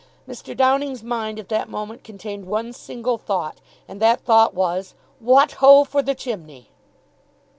Mr. Downing's mind at that moment contained one single thought; and that thought was "What ho for the chimney!"